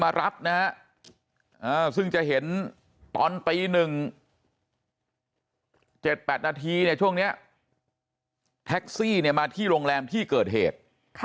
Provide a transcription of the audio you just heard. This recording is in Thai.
มารับนะฮะซึ่งจะเห็นตอนตี๑๗๘นาทีเนี่ยช่วงนี้แท็กซี่เนี่ยมาที่โรงแรมที่เกิดเหตุ